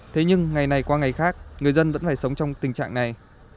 thế nhưng ngày này qua ngày khác người dân vẫn phải sống trong tình trạng này